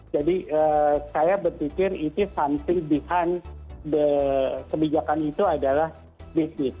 jadi saya berpikir itu berhenti di belakang kebijakan itu adalah bisnis